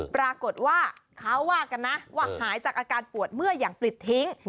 ปรากฏว่าเขาว่ากันนะว่าหายจากอาการปวดเมื่ออย่างปลิดทิ้ง